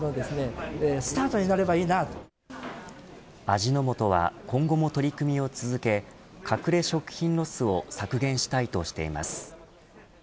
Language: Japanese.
味の素は今後も取り組みを続け隠れ食品ロスを削減したいとしています。